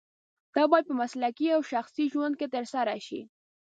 دا باید په مسلکي او شخصي ژوند کې ترسره شي.